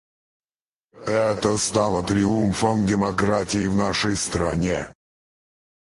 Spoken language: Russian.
Это стало триумфом демократии в нашей стране.